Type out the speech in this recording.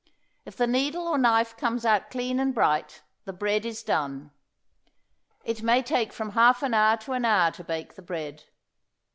If the needle or knife comes out clean and bright the bread is done. It may take from half an hour to an hour to bake the bread.